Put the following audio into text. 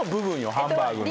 ハンバーグの。